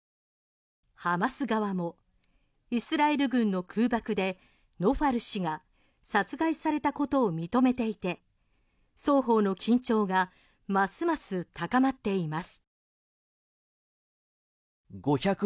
ハマス側もイスラエル軍の空爆でノファル氏が殺害されたことを認めていて双方の緊張がますます高まっています。